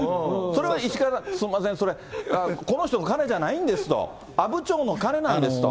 それは石川さん、すみません、これ、この人のお金じゃないんですと、阿武町の金なんですと。